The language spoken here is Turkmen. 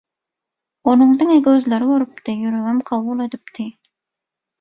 Onuň diňe gözleri görüpdi, ýüregem kabul edipdi.